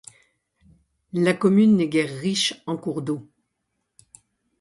La commune n'est guère riche en cours d'eau.